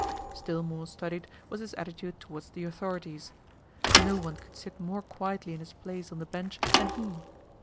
Still more studied was his attitude towards the authorities. No one could sit more quietly in his place on the bench than he.